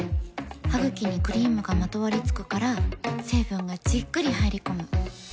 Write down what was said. ハグキにクリームがまとわりつくから成分がじっくり入り込む。